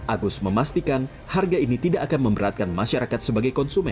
agus memastikan harga ini tidak akan memberatkan masyarakat sebagai konsumen